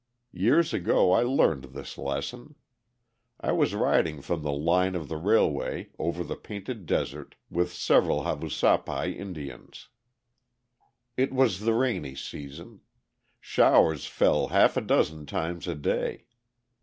Years ago I learned this lesson. I was riding from the line of the railway, over the Painted Desert, with several Havasupai Indians. It was the rainy season. Showers fell half a dozen times a day.